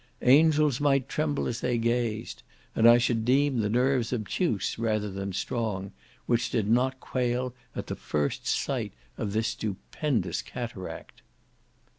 "Angels might tremble as they gazed;" and I should deem the nerves obtuse, rather than strong, which did not quail at the first sight of this stupendous cataract.